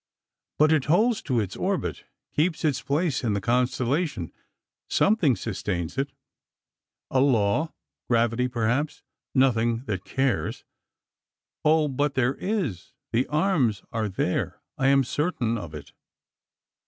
"But it holds to its orbit—keeps its place in the constellation. Something sustains it." "A law—gravity, perhaps. Nothing that cares." "Oh, but there is—the arms are there—I am certain of it."